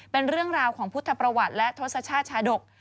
เป็นเรื่องราวของพุทธประวัติและทศชาติชาดก